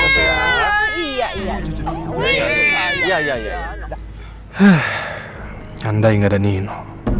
canda yang gak ada nino